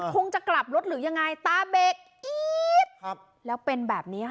จะกลับรถหรือยังไงตาเบรกอี๊ดแล้วเป็นแบบนี้ค่ะ